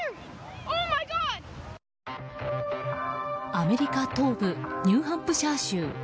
アメリカ東部ニューハンプシャー州。